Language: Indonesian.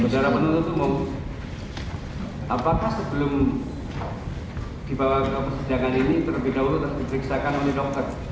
saudara penuntut umum apakah sebelum dibawa ke pesidangan ini terlebih dahulu terpiksakan oleh dokter